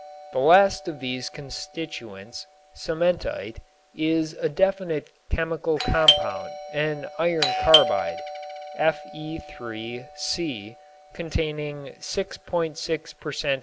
The last of these constituents, cementite, is a definite chemical compound, an iron carbide, Fe_C, containing 6.6 per cent.